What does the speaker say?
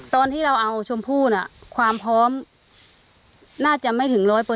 ตอนที่เราเอาชมพู่ความพร้อมน่าจะไม่ถึง๑๐๐